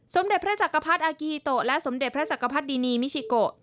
สมเด็จพระจักรพรรดิอากิฮิโตและสมเด็จพระจักรพรรดินีมิชิโก